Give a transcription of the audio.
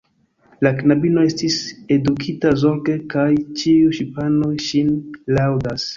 La knabino estis edukita zorge, kaj ĉiuj ŝipanoj ŝin laŭdas.